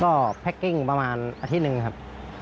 ก็แพ็กกิ้งประมาณอาทิตย์หนึ่งครับ